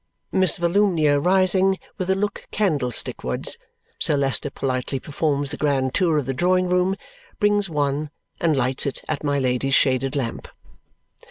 Miss Volumnia rising with a look candlestick wards, Sir Leicester politely performs the grand tour of the drawing room, brings one, and lights it at my Lady's shaded lamp.